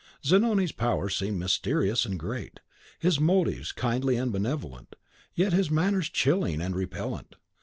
Zanoni's power seemed mysterious and great, his motives kindly and benevolent, yet his manners chilling and repellent.